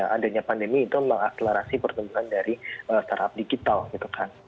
adanya pandemi itu mengakselerasi pertumbuhan dari startup digital gitu kan